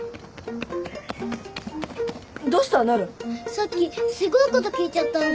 さっきすごいこと聞いちゃったんだ。